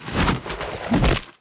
apa kau tuli hah